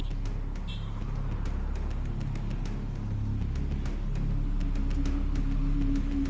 ketika diangkat kemungkinan dia akan diangkat